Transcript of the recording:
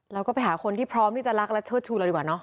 เราก็ไปหาคนที่พร้อมที่จะรักและเชิดชูเราดีกว่าเนาะ